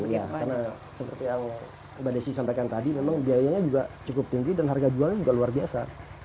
karena seperti yang mbak desy sampaikan tadi memang biayanya juga cukup tinggi dan harga jualnya juga luar biasa